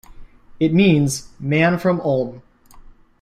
It means "man from Ulm".